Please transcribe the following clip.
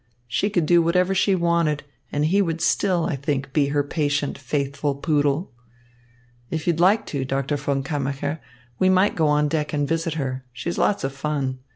She could do whatever she wanted, and he would still, I think, be her patient, faithful poodle. If you'd like to, Doctor von Kammacher, we might go on deck and visit her. She's lots of fun.